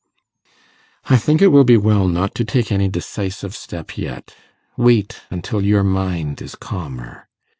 'I think it will be well not to take any decisive step yet. Wait until your mind is calmer.